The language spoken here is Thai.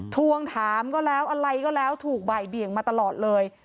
ทวงถามก็แล้วอะไรก็แล้วถูกบ่ายเบี่ยงมาตลอดเลย